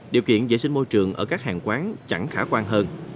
điều kiện vệ sinh môi trường ở các hàng quán chẳng khả quan hơn